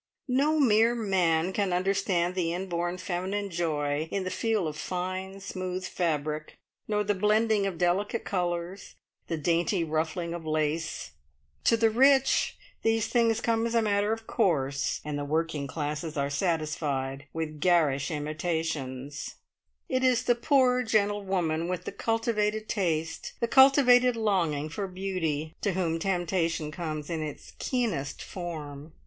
No mere man can understand the inborn feminine joy in the feel of fine smooth fabric, nor the blending of delicate colours, the dainty ruffling of lace. To the rich these things come as a matter of course, and the working classes are satisfied with garish imitations; it is the poor gentlewoman with the cultivated taste, the cultivated longing for beauty, to whom temptation comes in its keenest form.